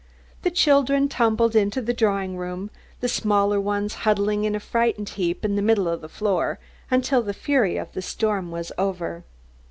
The children tumbled into the drawing room, the smaller ones huddling in a frightened heap in the middle of the floor, until the fury of the storm was over.